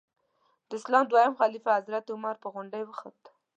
د اسلام دویم خلیفه حضرت عمر په غونډۍ وخوت.